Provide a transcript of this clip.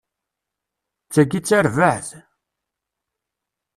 D tagi i d tarbaɛt!